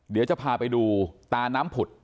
เดี๋ยวจะพาไปดูตาน้ำผุด